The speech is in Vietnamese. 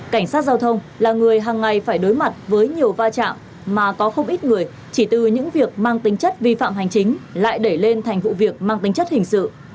cảnh sát giao thông là người hàng ngày phải đối mặt với nhiều va chạm mà có không ít người chỉ từ những việc mang tính chất vi phạm hành chính lại để lên thành vụ việc mang tính chất hình sự